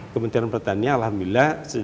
kementerian pertanian alhamdulillah